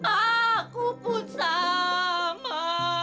aku pun sama